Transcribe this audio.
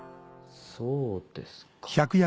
そうですか。